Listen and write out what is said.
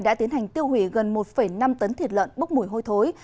đã tiến hành tiêu hủy gần một năm tấn thịt lợn bốc mùi hôi thối